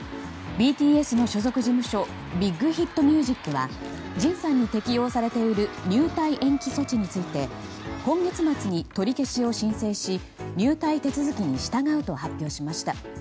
ＢＩＧＨＩＴＭＵＳＩＣはＪＩＮさんに適用されている入隊延期措置について今月末に取り消しを申請し入隊手続きに従うと発表しました。